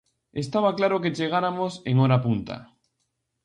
Estaba claro que chegáramos en hora punta.